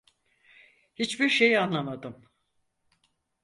Hiçbir şey anlamadım.